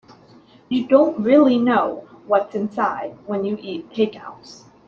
You don't really know what's inside when you eat takeouts.